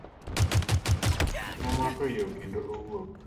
Nomako yoo kendo owuok.